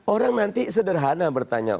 orang nanti sederhana bertanya